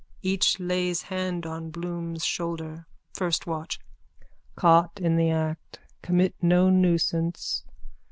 (Each lays hand on Bloom's shoulder.) FIRST WATCH: Caught in the act. Commit no nuisance.